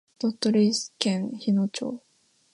鳥取県日野町